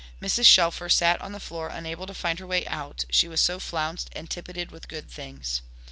Mrs. Shelfer sat on the floor unable to find her way out, she was so flounced and tippeted with good things.